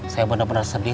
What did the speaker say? saya bener bener sedih